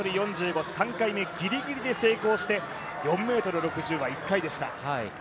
３回目、ギリギリで成功して４ｍ６０は１回でした。